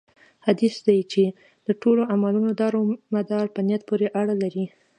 حديث دی چې: د ټولو عملونو دار مدار په نيت پوري اړه لري